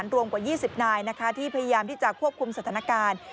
รวมกว่า๒๐นายที่พยายามที่จะควบคุมสถานการณ์